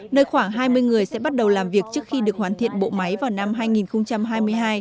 nơi khoảng hai mươi người sẽ bắt đầu làm việc trước khi được hoàn thiện bộ máy vào năm hai nghìn hai mươi hai